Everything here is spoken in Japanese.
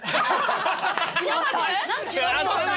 やったな！